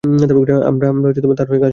আমরা তার হয়ে কাজ করি।